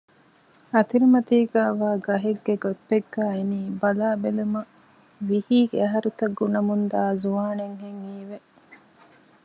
އަތިރިމަތީގައިވާ ގަހެއްގެ ގޮތްޕެއްގައި އިނީ ބަލާބެލުމަށް ވިހީގެ އަހަރުތައް ގުނަމުންދާ ޒުވާނެއްހެން ހީވެ